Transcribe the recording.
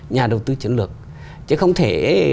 nhà đầu tư chiến lược chứ không thể